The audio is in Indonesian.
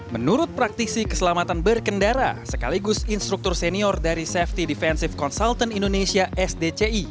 menurut praktisi keselamatan berkendara sekaligus instruktur senior dari safety defensive consultant indonesia sdci